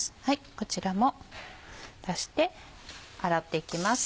こちらも出して洗っていきます。